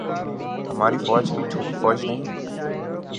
ہماری فوج کوئی چھوٹی فوج نہیں ہے۔